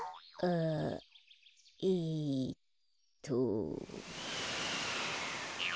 あえっと。